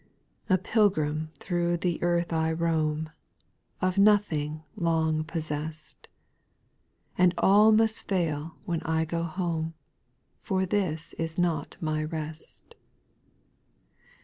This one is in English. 6. A pilgrim through the earth I roam. Of nothing long possessed ; And all must fail when I go home, For this is not my rest.